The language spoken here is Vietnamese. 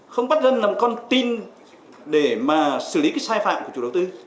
không bắt dân làm con tin để mà xử lý cái sai phạm của chủ đầu tư